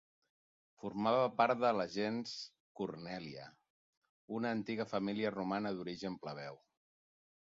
Formava part de la gens Cornèlia, una antiga família romana d'origen plebeu.